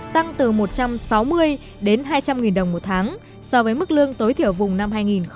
tăng từ một trăm sáu mươi đến hai trăm linh nghìn đồng một tháng so với mức lương tối thiểu vùng năm hai nghìn một mươi tám